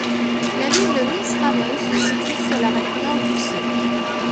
La ville de Mitzpe Ramon se situe sur l'arête nord du cirque.